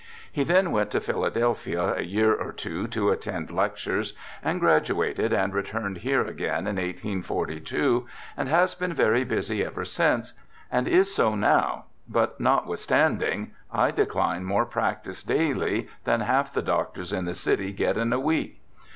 He then went to Philadelphia a year or two to attend lectures, and graduated, and returned here again in 1842, and has been very busy ever since, and is so now, but notwithstanding I decline more practice daily than half the doctors in the city get in a week.